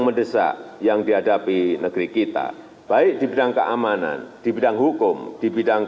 mendesak yang dihadapi negeri kita baik di bidang keamanan di bidang hukum di bidang